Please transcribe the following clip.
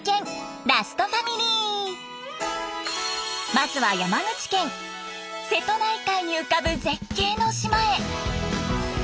まずは山口県瀬戸内海に浮かぶ絶景の島へ。